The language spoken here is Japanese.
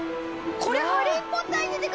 これ。